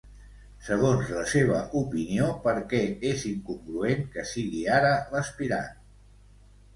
Segons la seva opinió, per què és incongruent que sigui ara l'aspirant?